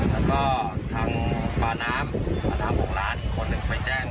แล้วก็ทางป่าน้ำ๖ล้านอีกคนไปแจ้ง